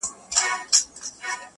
نجلۍ پر سر دي منګی مات سه!.